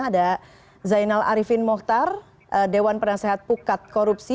ada zainal arifin mohtar dewan penasehat pukat korupsi